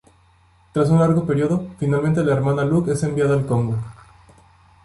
Tras un largo período, finalmente la Hermana Luc es enviada al Congo.